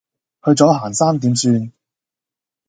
去咗行山點算？